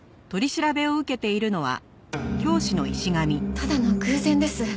ただの偶然です。